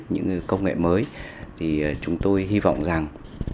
những công nghệ mới thì chúng tôi hy vọng rằng